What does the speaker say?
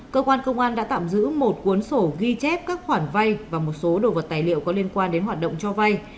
cơ quan công an đã tạm giữ một cuốn sổ ghi chép các khoản vay và một số đồ vật tài liệu có liên quan đến hoạt động cho vay